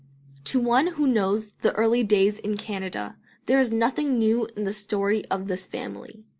To one who knows the early days in Canada there is nothing new in the story of this family.